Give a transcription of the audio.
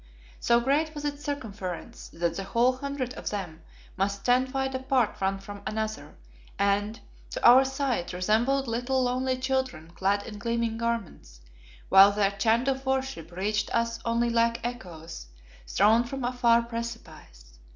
So great was its circumference that the whole hundred of them must stand wide apart one from another, and, to our sight, resembled little lonely children clad in gleaming garments, while their chant of worship reached us only like echoes thrown from a far precipice.